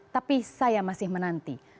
tapi saya masih menanti